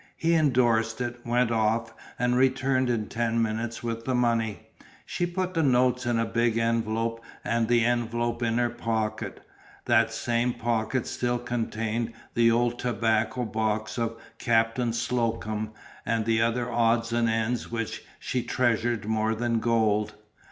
He endorsed it, went off and returned in ten minutes with the money. She put the notes in a big envelope and the envelope in her pocket. That same pocket still contained the old tobacco box of Captain Slocum and the other odds and ends which she treasured more than gold.